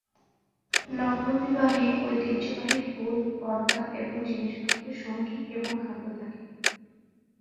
নগ্ন বিবাহে ঐতিহ্যবাহী ফুল, পর্দা এবং জিনিসপত্র, সঙ্গী, এবং খাদ্য থাকে।